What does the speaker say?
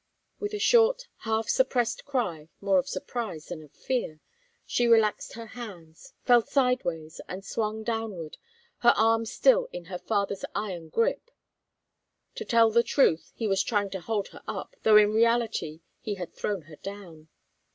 With a short, half suppressed cry, more of surprise than of fear, she relaxed her hands, fell sideways, and swung downward, her arm still in her father's iron grip. To tell the truth, he was trying to hold her up, though in reality he had thrown her down.